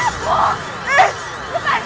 eh lepaskan aku